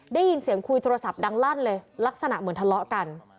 ได้ยินเสียงคุยโทรศัพท์ดังลั่นเลยลักษณะเหมือนทะเลาะกัน